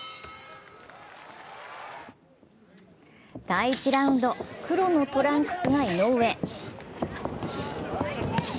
第１ラウンド黒のトランクスが井上。